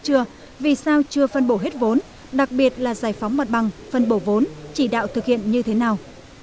chưa vì sao chưa phân bổ hết vốn đặc biệt là giải phóng mặt bằng phân bổ vốn chỉ đạo thực hiện như thế nào